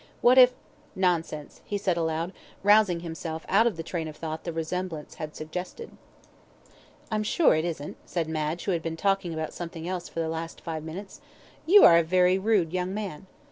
What if "Nonsense," he said, aloud, rousing himself out of the train of thought the resemblance had suggested. "I'm sure it isn't," said Madge, who had been talking about something else for the last five minutes. "You are a very rude young man."